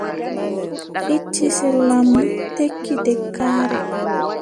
Itti sirla mum, tekki tekkaare.